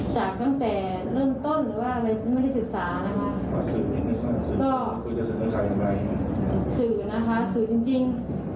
ตั้งแต่เริ่มต้นหรือว่าอะไรที่ไม่ได้ศึกษานะคะสื่อนะคะสื่อจริง